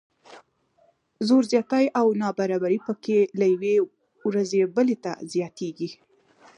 زور زیاتی او نابرابري پکې له یوې ورځې بلې ته زیاتیږي.